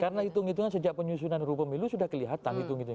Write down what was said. karena hitung hitungan sejak penyusunan ru pemilu sudah kelihatan